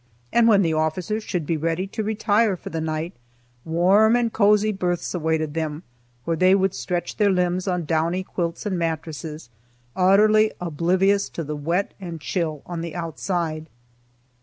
And, when the officers should be ready to retire for the night, warm and cozy berths awaited them, where they would stretch their limbs on downy quilts and mattresses, utterly oblivious to the wet and chill on the outside.